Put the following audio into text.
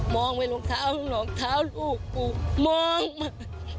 มองไปหลวงเท้าหลวงเท้าลูกกูมองมา